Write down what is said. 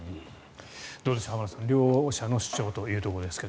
どうでしょう浜田さん両者の主張ということですが。